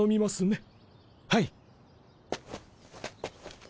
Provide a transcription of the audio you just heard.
はい。